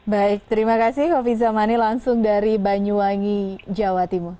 baik terima kasih kofi zamani langsung dari banyuwangi jawa timur